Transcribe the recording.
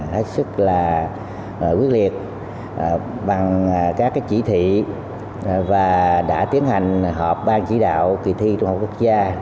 hết sức là quyết liệt bằng các chỉ thị và đã tiến hành họp ban chỉ đạo kỳ thi trung học quốc gia